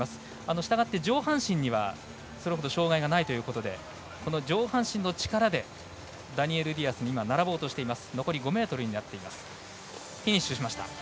したがって上半身にはそれほど障がいがないということで、上半身の力でダニエル・ディアスに並ぼうとしています。